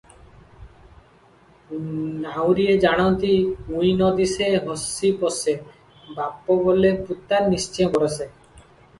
ନାଉରିଏ ଜାଣନ୍ତି, "ଉଇଁ ନ ଦିଶେ, ହସି ପଶେ, ବାପ ବୋଲେ ପୁତା-ନିଶ୍ଚେ ବରଷେ ।